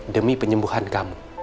demi penyembuhan kamu